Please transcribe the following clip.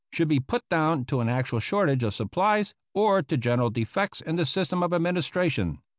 should be put down to an actual shortage of supplies or to general defects in the system of administration.